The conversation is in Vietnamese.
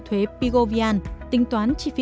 thuế pigovian tính toán chi phí